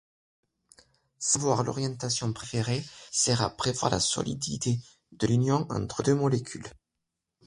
Savoir l'orientation préférée sert à prévoir la solidité de l'union entre deux molécules.